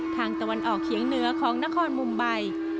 ทางตะวันออกเคียงเนื้อของนครมุมไบ